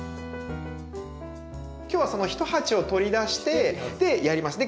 今日はその１鉢を取り出してやります。